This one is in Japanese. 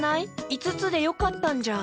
いつつでよかったんじゃ。